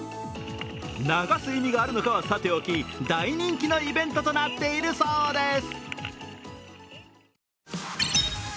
流す意味があるのかはさておき大人気のイベントとなっているそうです。